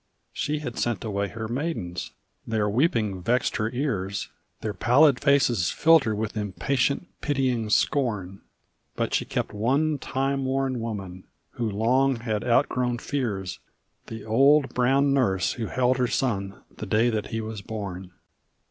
She had sent away her maidens their weeping vexed her ears Their pallid faces filled her with impatient pitying scorn; But she kept one time worn woman, who long had outgrown fears, The old brown nurse who held her son the day that he was born.